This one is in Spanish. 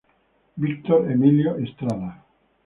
Víctor Emilio Estrada.